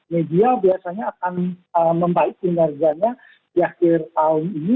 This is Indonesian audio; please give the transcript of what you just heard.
media biasanya akan membaik kinerjanya di akhir tahun ini